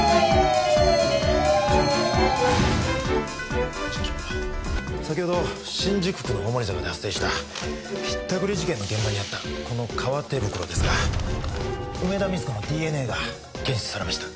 一課長先ほど新宿区の大森坂で発生したひったくり事件の現場にあったこの革手袋ですが梅田三津子のＤＮＡが検出されました。